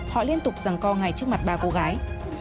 họ liên tục rằng co ngay trước mặt ba cô gái